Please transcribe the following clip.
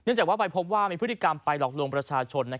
เนื่องจากวเขาไปพบมีพฤธิกรรมไปหลอกลงประชาชน